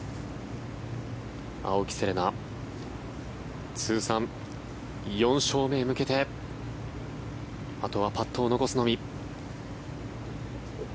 青木瀬令奈通算４勝目へ向けてあとはパットを残すのみ。